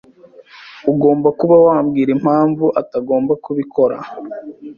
Ugomba kuba wabwira impamvu atagomba kubikora.